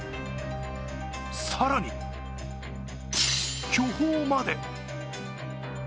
更に巨峰まで。